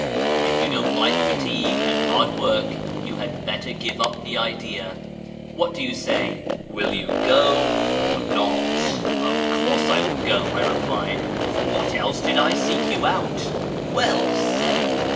If you don't like fatigue and hard w^ork you had better give up the idea. What do you say ? Will you go or not ?"" Of course I will go," I replied ;" for what else did I seek you out ?"" Well said